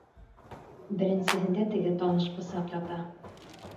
Беренсеһендә теге таныш бысаҡ ята.